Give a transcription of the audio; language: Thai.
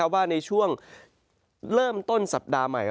ว่าในช่วงเริ่มต้นสัปดาห์ใหม่